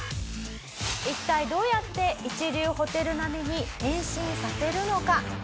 一体どうやって一流ホテル並みに変身させるのか？